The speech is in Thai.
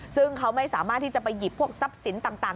ซึ่งเขาไม่สามารถที่จะไปหยิบพวกทรัพย์สินต่าง